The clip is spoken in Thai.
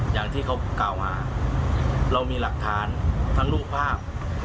อย่างที่เขากล่าวหาเรามีหลักฐานทั้งรูปภาพ